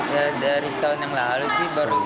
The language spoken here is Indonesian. ya dari setahun yang lalu sih baru